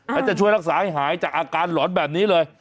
แล้วจะช่วยรักษาให้หายจากอาการหลอนแบบนี้เลย